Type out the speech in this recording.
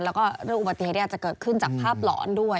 แล้วก็เรื่องอุบัติเหตุที่อาจจะเกิดขึ้นจากภาพหลอนด้วย